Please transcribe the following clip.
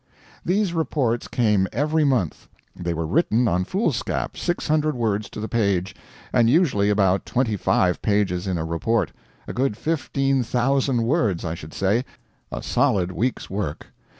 These reports came every month. They were written on foolscap, 600 words to the page, and usually about twenty five pages in a report a good 15,000 words, I should say, a solid week's work.